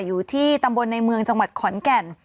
อยู่ที่ตำบลในเมืองจังหวัดขอนแก่น